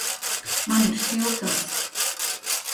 Man ir šķiltavas.